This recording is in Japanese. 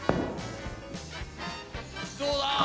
どうだ？